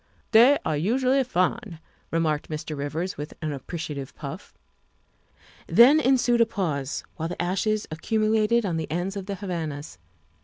'' They are unusually fine, '' remarked Mr. Rivers with an appreciative puff. Then ensued a pause while the ashes accumulated on the ends of the Havanas.